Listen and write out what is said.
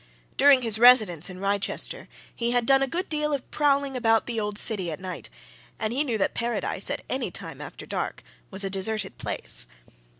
During his residence in Wrychester he had done a good deal of prowling about the old city at night, and he knew that Paradise, at any time after dark, was a deserted place.